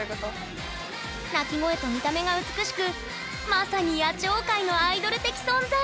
鳴き声と見た目が美しくまさに野鳥界のアイドル的存在！